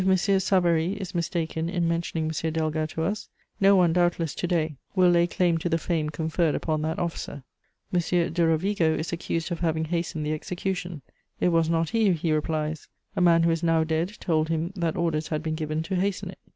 Savary is mistaken in mentioning M. Delga to us, no one, doubtless, to day, will lay claim to the fame conferred upon that officer. M. de Rovigo is accused of having hastened the execution; it was not he, he replies: a man who is now dead told him that orders had been given to hasten it."